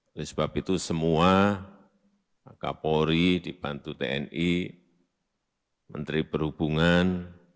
oleh sebab itu semua kapolri dibantu tni menteri perhubungan